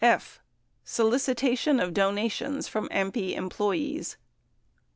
F. Solicitation of Donations From AMPI Employees i.